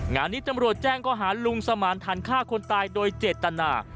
งานนี้ตำรวจแจ้งก็หาลุงสมานฐานฆ่าคนตายโดยเจตนา